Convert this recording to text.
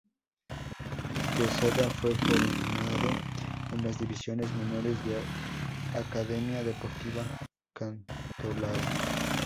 Quezada fue formado en las divisiones menores del Academia Deportiva Cantolao.